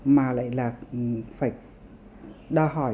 mà lại là phải đòi hỏi